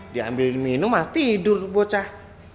diambil minum tidur bocah